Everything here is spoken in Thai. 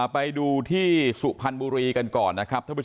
ไปดูที่สุพรรณบุรีกันก่อน